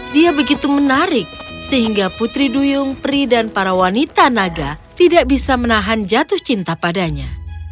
dia begitu menarik sehingga putri duyung pri dan para wanita naga tidak bisa menahan jatuh cinta padanya